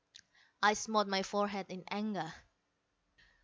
I smote my forehead in anger.